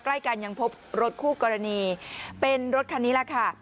ใกล้กันยังพบรถคู่กรณีเป็นรถคันนี้แหละค่ะ